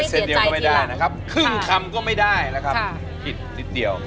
เซ็นเดียวก็ไม่ได้นะครับครึ่งคำก็ไม่ได้นะครับผิดนิดเดียว